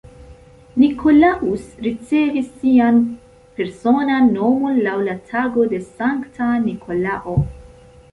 Nikolaus ricevis sian personan nomon laŭ la tago de Sankta Nikolao.